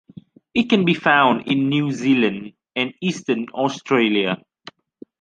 It can be found in New Zealand and eastern Australia.